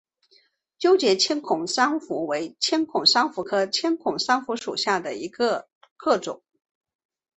纠结千孔珊瑚为千孔珊瑚科千孔珊瑚属下的一个种。